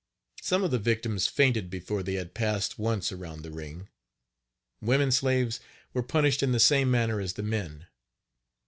Some of the victims fainted before they had passed once around the ring. Women slaves were punished in the same manner as the men.